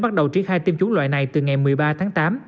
bắt đầu triển khai tiêm chủng loại này từ ngày một mươi ba tháng tám